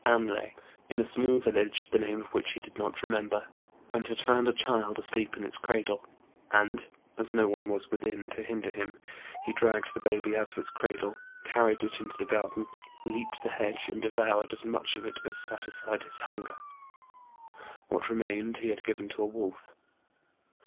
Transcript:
Anlaye, in a small village, the name of which he did not remember, and had found a child asleep in its cradle ; and as no one was within to hinder him, he dragged the baby out of its cradle, carried it into the garden, leaped the hedge, and devoured as much of it as satisfied his hunger. What remained he had given to a wolf.